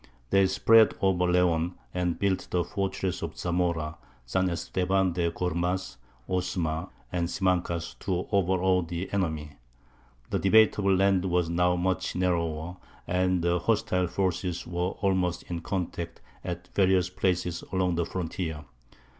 They spread over Leon, and built the fortresses of Zamora, San Estevan de Gormaz, Osma, and Simancas, to overawe the enemy. The debatable land was now much narrower, and the hostile forces were almost in contact at various places along the frontier.